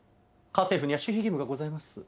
家政婦には守秘義務がございます。